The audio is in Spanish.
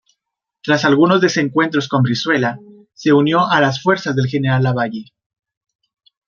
Tras algunos desencuentros con Brizuela, se unió a las fuerzas del general Lavalle.